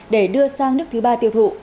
để đưa sang nước thứ ba tiêu thụ